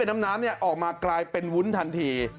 น้ำออกมากลายเป็นวุ้นทันที